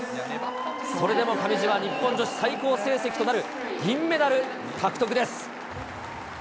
それでも上地は日本女子最高成績となる銀メダル獲得です。